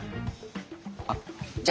あっじゃ！